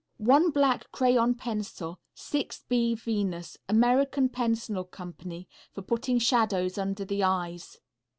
One Black Crayon Pencil. 6B Venus, American Pencil Co. For putting shadows under the eyes.